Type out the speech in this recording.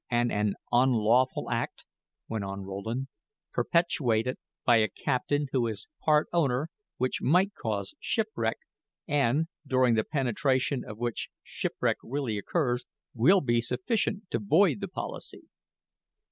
"And an unlawful act," went on Rowland, "perpetrated by a captain who is part owner, which might cause shipwreck, and, during the perpetration of which shipwreck really occurs, will be sufficient to void the policy."